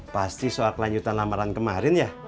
pasti soal kelanjutan lamaran kemarin ya